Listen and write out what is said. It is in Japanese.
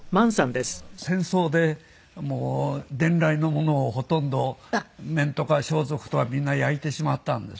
戦争で伝来のものをほとんど面とか装束とかみんな焼いてしまったんです。